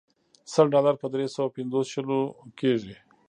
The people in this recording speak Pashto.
سل ډالر په درې سوه پنځوس شلو کېږي.